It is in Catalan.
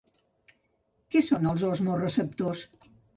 Què són els osmoreceptors?